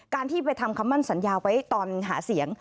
ที่ไปทำคำมั่นสัญญาไว้ตอนหาเสียง